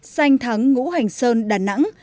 xanh thắng ngũ hành sơn đà nẵng